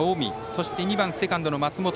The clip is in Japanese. そして２番、セカンドの松本。